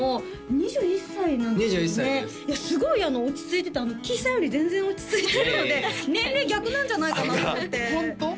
２１歳ですいやすごい落ち着いててキイさんより全然落ち着いてるので年齢逆なんじゃないかなと思ってホント？